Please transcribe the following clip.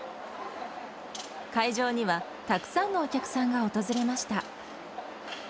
会場には、たくさんのお客さんが訪れました。